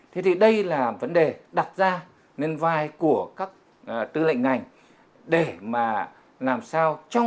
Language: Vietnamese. thế thì đây là vấn đề đặt ra nên vai của các tư lệnh ngành để mà làm sao